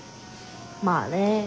まあね。